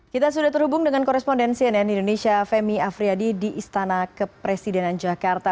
kita sudah terhubung dengan korespondensi nn indonesia femi afriyadi di istana kepresidenan jakarta